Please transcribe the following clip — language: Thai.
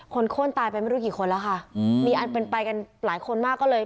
โค้นตายไปไม่รู้กี่คนแล้วค่ะมีอันเป็นไปกันหลายคนมากก็เลย